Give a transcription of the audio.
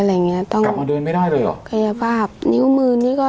อย่างเงี้ยต้องกลับมาเดินไม่ได้เลยเหรอกายภาพนิ้วมือนี่ก็